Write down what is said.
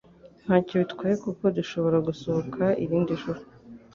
ntacyo bitwaye kuko dushobora gusohoka irindi joro